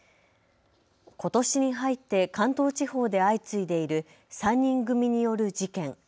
ことしに入って関東地方で相次いでいる３人組による事件。